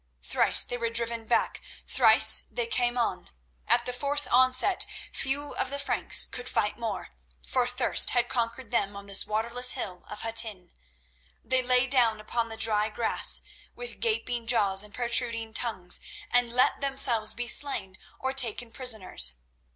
Thrice they were driven back; thrice they came on. At the fourth onset few of the Franks could fight more, for thirst had conquered them on this waterless hill of Hattin. They lay down upon the dry grass with gaping jaws and protruding tongues, and let themselves be slain or taken prisoners.